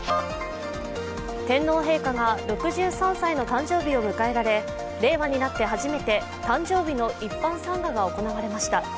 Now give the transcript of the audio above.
天皇陛下が６３歳の誕生日を迎えられ令和になって初めて誕生日の一般参賀が行われました。